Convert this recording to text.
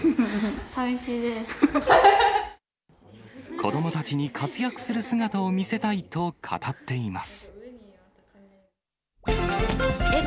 子どもたちに活躍する姿を見せたいと語っています。